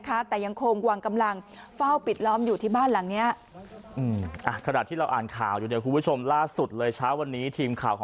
นะคะแต่ยังคงวางกำลังเฝ้าปิดล้อมอยู่ที่บ้านหลังเนี่ยอ่า